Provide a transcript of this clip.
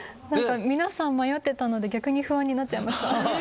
皆さん迷ってたので逆に不安になっちゃいました。